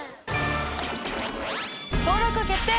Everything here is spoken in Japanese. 登録決定！